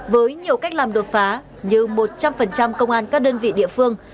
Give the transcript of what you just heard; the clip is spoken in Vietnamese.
với nhiều cách làm đột phá như một trăm linh công an các đơn vị địa phương